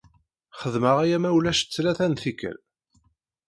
Xedmeɣ aya ma ulac tlata n tikkal.